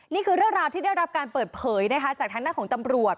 นี่คือเรื่องราวที่ได้รับการเปิดเผยนะคะจากทางด้านของตำรวจ